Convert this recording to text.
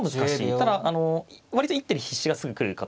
ただ割と一手で必至がすぐ来る形。